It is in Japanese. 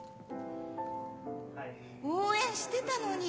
「応援してたのに！」